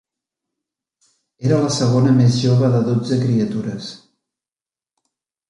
Era la segona més jove de dotze criatures.